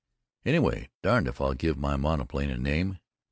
Anyway darned if I'll give my monoplane a name.